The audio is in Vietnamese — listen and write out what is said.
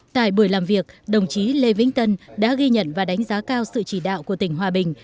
tại buổi làm việc đồng chí lê vĩnh tân đã ghi nhận và đánh giá cao sự chỉ đạo của tỉnh hòa bình